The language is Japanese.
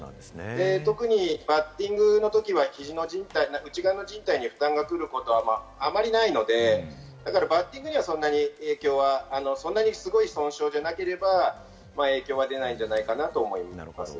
特にバッティングのときは、肘の内側のじん帯に負担がくることはあまりないので、バッティングにはそんなに影響は、そんなにすごい損傷でなければ影響は出ないんじゃないかなと思います。